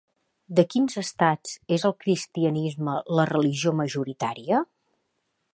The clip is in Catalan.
De quins estats és el cristianisme la religió majoritària?